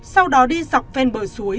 sau đó đi dọc ven bờ suối